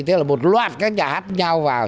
thế là một loạt các nhà hát nhau vào